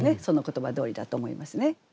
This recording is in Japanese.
その言葉どおりだと思いますね。